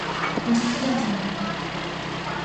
Pois non lle entendín.